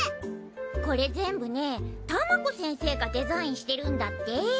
これ全部ねたまこ先生がデザインしてるんだって。